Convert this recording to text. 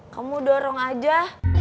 kamu dorong aja